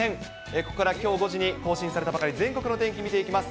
ここからきょう５時に更新されたばかり、全国の天気見ていきます。